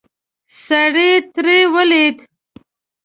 سړی ترې ولوېد.